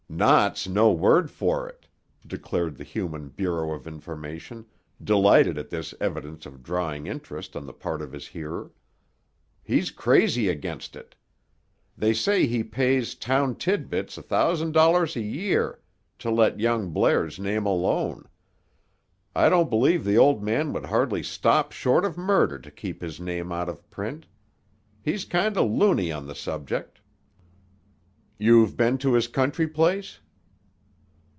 "'Not's' no word for it," declared the human Bureau of Information, delighted at this evidence of dawning interest on the part of his hearer. "He's crazy against it. They says he pays Town Titbits a thousand dollars a year to let young Blair's name alone. I don't believe the old man would hardly stop short of murder to keep his name out of print. He's kind o' loony on the subject." "You've been to his country place?"